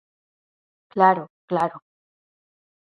Claro, claro.